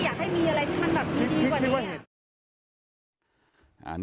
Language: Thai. อยากให้มีอะไรที่มันแบบมีดีกว่านี้ให้เราเห็น